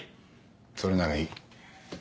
それならいい。